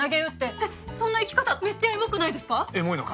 えっそんな生き方めっちゃエモくないですか？